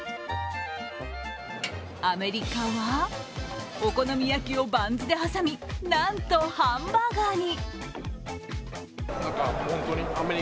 アメリカは、お好み焼きをバンズで挟み、なんとハンバーガーに。